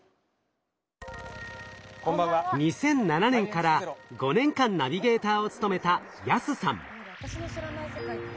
２００７年から５年間ナビゲーターを務めた安さん。